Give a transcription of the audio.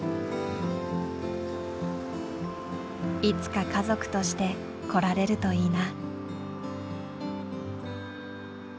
いつか家族として来られるといいな。